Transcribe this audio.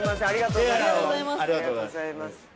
ありがとうございます。